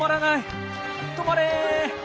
止まれ！